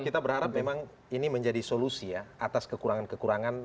kita berharap memang ini menjadi solusi ya atas kekurangan kekurangan